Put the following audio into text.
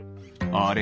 あれ？